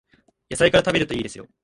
野菜から食べるといいですよ